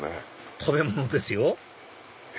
食べ物ですよえ？